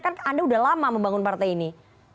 kan anda sudah lama membangun partai ini